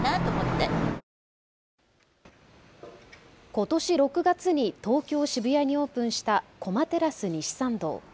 ことし６月に東京渋谷にオープンした駒テラス西参道。